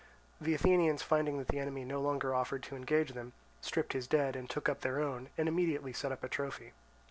The Athenians, finding that the enemy no longer offered to engage them, stripped his dead and took up their own and immediately set up a trophy.